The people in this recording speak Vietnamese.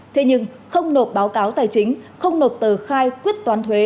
thế nhưng không nộp báo cáo tài chính không nộp tờ khai quyết toán thuế